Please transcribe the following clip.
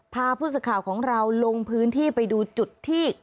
พาผู้สื่อข่าวของเราลงพื้นที่ไปดูจุดที่